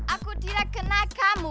aku tidak kena kamu